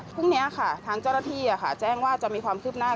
พรุ่งนี้ค่ะทางเจ้าหน้าที่แจ้งว่าจะมีความคืบหน้า